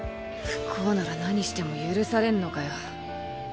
不幸なら何しても許されんのかよ。